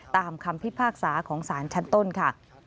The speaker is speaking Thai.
คำพิพากษาของสารชั้นต้นค่ะ